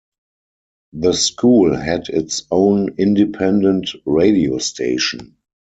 The school had its own independent radio station.